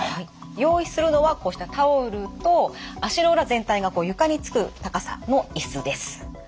用意するのはこうしたタオルと足の裏全体が床につく高さの椅子です。